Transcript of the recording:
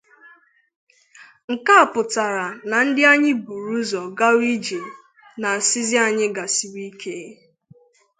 Nke a pụtara na ndị anyị buru ụzọ gawa ije na-asịzị anyị gasiwe ike